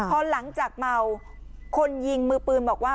พอหลังจากเมาคนยิงมือปืนบอกว่า